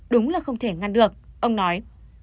đúng là không thể ngăn được ông nói